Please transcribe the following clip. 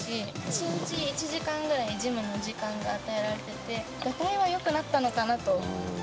１日１時間ぐらい、ジムの時間が与えられてて、ガタイはよくなったのかなと。